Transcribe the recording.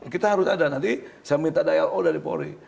kita harus ada nanti saya minta daya dari pori